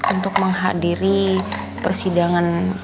untuk menghadiri persidangan